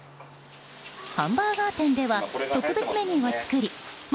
ハンバーガー店では特別メニューを作り街